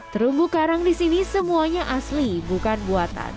terumbu karang di sini semuanya asli bukan buatan